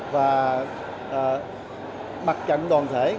và mặt trận đoàn thể